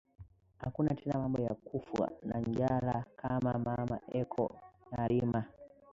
Akuna tena mambo ya kufwa na njala kama mama eko na rima